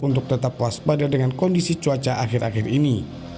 untuk tetap waspada dengan kondisi cuaca akhir akhir ini